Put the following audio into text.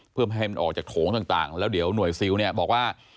เพื่อไม่ให้มันออกจากโถงต่างแล้วเดี๋ยวหน่วยซิลเนี่ยบอกว่า